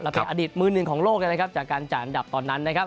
ลักษณะอดิบย์มือหนึ่งของโลกเลยจากการจ่ายนับตอนนั้น